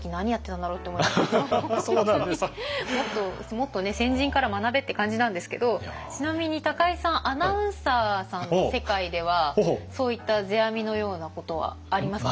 もっと先人から学べって感じなんですけどちなみに高井さんアナウンサーさんの世界ではそういった世阿弥のようなことはありますか？